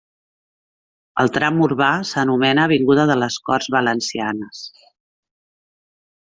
El tram urbà s'anomena avinguda de les Corts Valencianes.